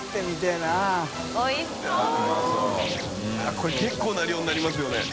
これ結構な量になりますよね。